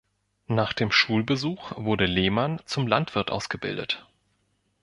Nach dem Schulbesuch wurde Lehmann zum Landwirt ausgebildet.